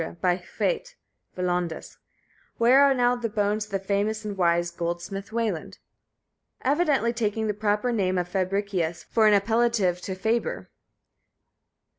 by Hwæt (hwær) Welondes? (Where are now the bones of the famous and wise goldsmith Weland?), evidently taking the proper name of Fabricius for an appellative equivalent to faber.